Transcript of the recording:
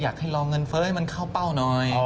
อยากให้รอเงินเฟ้อให้มันเข้าเป้าหน่อย